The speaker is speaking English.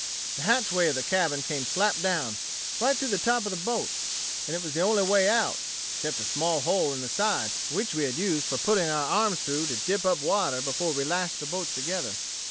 The hatch way of the cabin came slap down, right through the top of the boat; and it was the only way out, except a small hole in the side which we had used for putting our arms through to dip up water before we lashed the boats together.